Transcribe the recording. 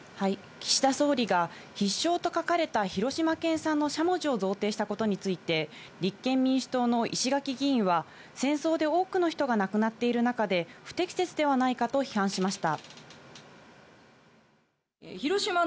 岸田総理が「必勝」と書かれた広島県産のしゃもじを贈呈したことについて、立憲民主党の石垣議員は戦争で多くの人が亡くなっている中で、不適切ではないかと批判しました。